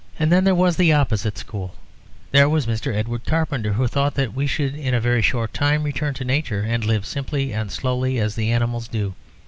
Then there was the opposite school. There was Mr. Edward Carpenter, who thought we should in a very short time return to Nature, and live simply and slowly as the animals do.